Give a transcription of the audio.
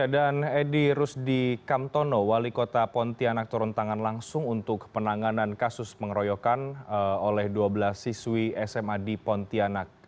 dan edi rusdi kamtono wali kota pontianak turun tangan langsung untuk penanganan kasus pengeroyokan oleh dua belas siswi sma di pontianak